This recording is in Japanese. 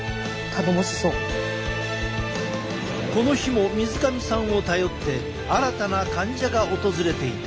この日も水上さんを頼って新たな患者が訪れていた。